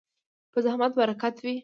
په زحمت برکت وي.